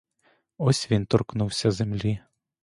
Ось він торкнувся землі.